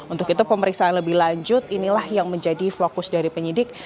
untuk itu pemeriksaan lebih lanjut inilah yang menjadi fokus dari penyidik